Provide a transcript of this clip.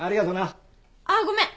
あっごめん！